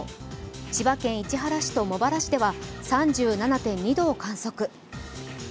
千葉県市原市と茂原市では３７．２度を観測。